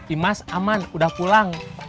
imas aman udah pulang